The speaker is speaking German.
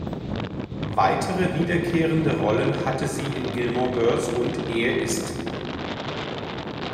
Weitere wiederkehrende Rollen hatte sie in "Gilmore Girls" und "Ehe ist…".